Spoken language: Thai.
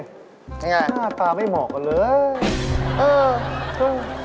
เป็นอย่างไรครับหน้าตาไม่เหมาะกันเลย